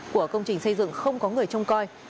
của công trình xây dựng không có người trông coi